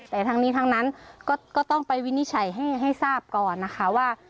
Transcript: แต่ทั้งนี้ทั้งนั้นก็ต้องไปวินิจฉัยให้ทราบก่อนนะคะว่า